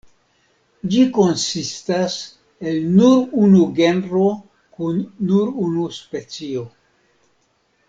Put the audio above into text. Ĝi konsistas el nur unu genro kun nur unu specio.